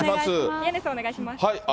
宮根さん、お願いします。